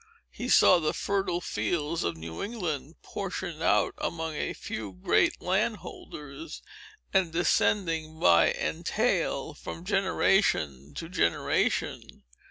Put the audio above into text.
He saw the fertile fields of New England, portioned out among a few great landholders, and descending by entail from generation to generation.